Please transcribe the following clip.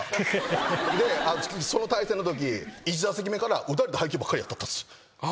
その対戦のとき１打席目から打たれた配球ばっかりやったったっす。